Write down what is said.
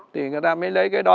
thì người ta mới lấy cái đó